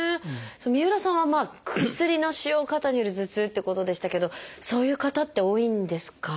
三浦さんは薬の使用過多による頭痛ってことでしたけどそういう方って多いんですか？